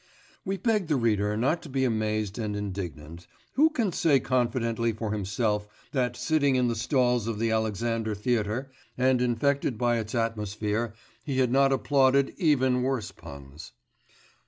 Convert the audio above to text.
(We beg the reader not to be amazed and indignant; who can say confidently for himself that sitting in the stalls of the Alexander Theatre, and infected by its atmosphere, he has not applauded even worse puns?)